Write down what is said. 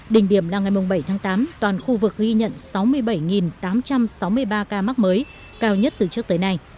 đỉnh điểm là ngày bảy tháng tám toàn khu vực ghi nhận sáu mươi bảy tám trăm sáu mươi ba ca mắc mới cao nhất từ trước tới nay